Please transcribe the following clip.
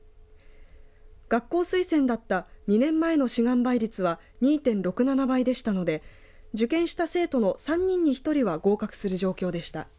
学校推薦だった２年前の志願倍率は２．６７倍でしたので受験した生徒の３人に１人は合格する状況でした。